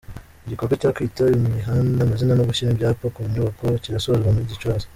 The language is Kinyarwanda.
Igikorwa cyo kwita imihanda amazina no gushyira ibyapa ku nyubako kirasozwa muri Gicurasi